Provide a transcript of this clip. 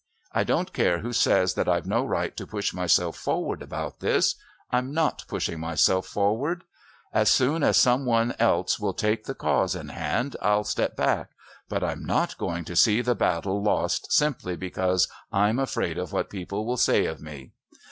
I don't care who says that I've no right to push myself forward about this. I'm not pushing myself forward. "As soon as some one else will take the cause in hand I'll step back, but I'm not going to see the battle lost simply because I'm afraid of what people will say of me....